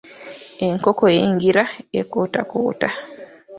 Enkoko eyingira ekootakoota.